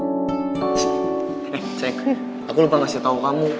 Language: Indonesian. eh sayang aku lupa ngasih tau kamu